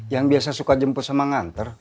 yang biasa suka jemput sama nganter